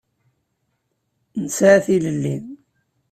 Nesɛa tilelli.